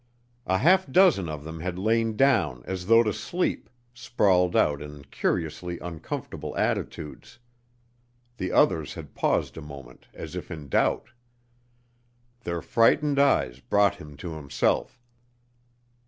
A half dozen of them had lain down as though to sleep, sprawled out in curiously uncomfortable attitudes. The others had paused a moment as if in doubt. Their frightened eyes brought him to himself.